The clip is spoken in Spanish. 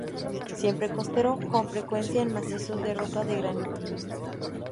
Siempre costero con frecuencia en macizos de roca de granito.